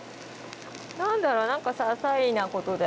何だろう何かささいなことで。